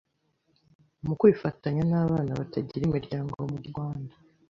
mu kwifatanya n’abana batagira imiryango mu Rwanda